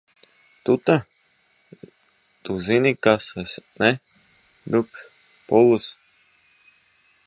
Tu ta?u zini, ka es ne?du s?polus!